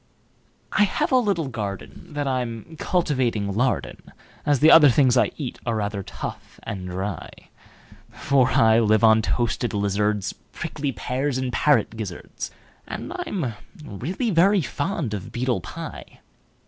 I have a little gardenThat I'm cultivating lard in, As the things I eat are rather tough and dry; For I live on toasted lizards, Prickly pears, and parrot gizzards, And I'm really very fond of beetle pie.